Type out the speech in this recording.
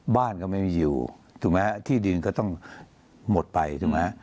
บ้านก็ไม่มีอยู่ถูกไหมที่ดินก็ต้องหมดไปถูกไหม